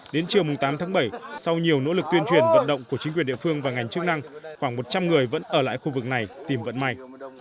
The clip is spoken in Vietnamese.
đến chiều tám tháng bảy sau nhiều nỗ lực tuyên truyền vận động của chính quyền địa phương và ngành chức năng khoảng một trăm linh người vẫn ở lại khu vực này tìm vận may